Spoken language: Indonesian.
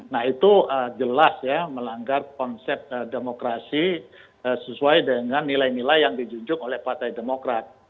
nah itu jelas ya melanggar konsep demokrasi sesuai dengan nilai nilai yang dijunjung oleh partai demokrat